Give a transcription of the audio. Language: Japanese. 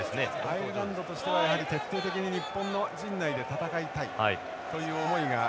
アイルランドとしてはやはり徹底的に日本の陣内で戦いたいという思いがよく分かります。